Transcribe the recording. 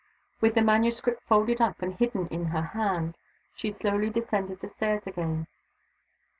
With the manuscript folded up, and hidden in her hand, she slowly descended the stairs again.